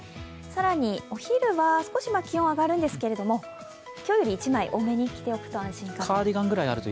更にお昼は少し気温が上がるんですけれども、今日より１枚多めに着ておくと安心かと。